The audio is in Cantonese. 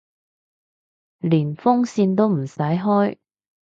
連風扇都唔使開